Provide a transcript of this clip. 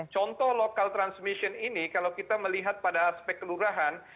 contoh local transmission ini kalau kita melihat pada aspek kelurahan